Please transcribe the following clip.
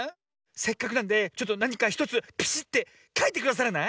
せっかくなんでちょっとなにか１つピシッてかいてくださらない？